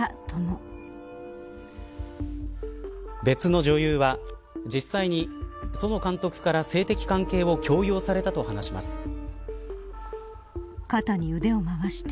別の女優は実際に、園監督から性的関係を強要されたと話します。